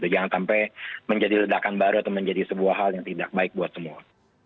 jangan sampai menjadi ledakan baru atau menjadi sebuah hal yang tidak baik buat semua